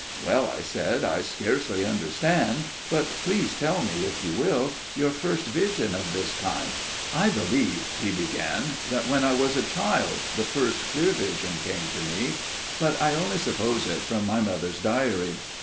"Well," I said, "I scarcely understand. But please tell me, if you will, your first vision of that kind." "I believe," he began, "that when I was a child the first clear vision came to me, but I only suppose it from my mother's diary.